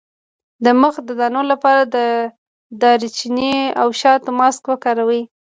د مخ د دانو لپاره د دارچینی او شاتو ماسک وکاروئ